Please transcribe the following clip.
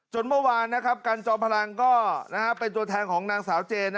เมื่อวานกันจอมพลังก็เป็นตัวแทนของนางสาวเจน